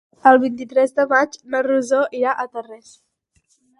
El vint-i-tres de maig na Rosó irà a Tarrés.